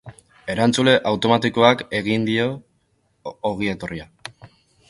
Erantzule automatikoak egin dio ongietorria.